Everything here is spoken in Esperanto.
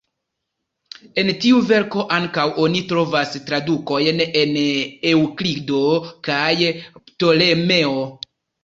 En tiu verko ankaŭ oni trovas tradukojn de Eŭklido kaj Ptolemeo.